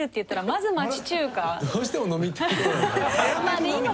どうしても飲みたいんだ。